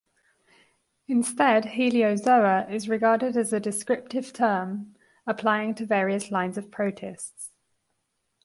Instead, "heliozoa" is regarded as a descriptive term applying to various lines of protists.